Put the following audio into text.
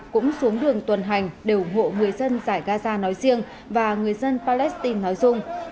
cũng xuống đường tuần hành để ủng hộ người dân giải gaza nói riêng và người dân palestine nói dung